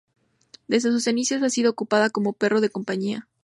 Desde sus inicios ha sido ocupado como perro de compañía.